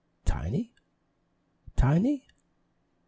"Tiny! Tiny!